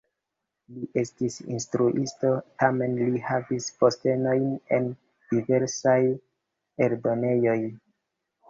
Li estis instruisto, tamen li havis postenojn en diversaj eldonejoj.